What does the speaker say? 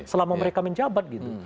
selama mereka menjabat gitu